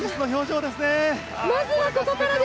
まずはここからです。